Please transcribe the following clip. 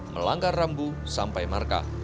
melanggar rambu sampai markah